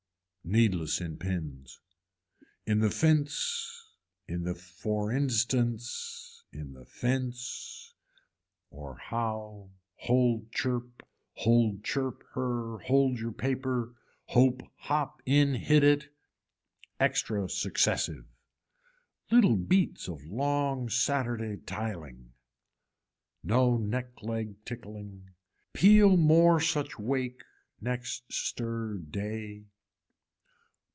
Needless in pins. In the fence in the for instance, in the fence or how, hold chirp, hold chirp her, hold your paper, hope hop in hit it. Extra successive. Little beats of long saturday tileing. No neck leg ticking. Peel more such wake next stir day.